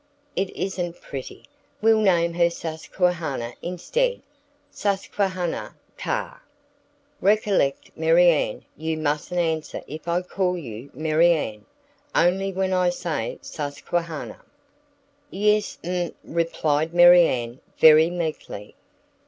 It isn't pretty. We'll name her Susquehanna instead Susquehanna Carr. Recollect, Marianne, you mustn't answer if I call you Marianne only when I say Susquehanna." "Yes'm," replied Marianne, very meekly.